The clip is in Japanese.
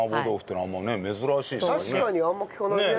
確かにあんまり聞かないね。